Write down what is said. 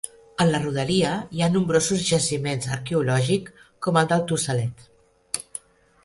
En la rodalia hi ha nombrosos jaciments arqueològics com el del Tossalet.